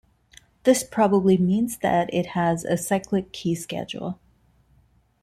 This probably means that it has a cyclic key schedule.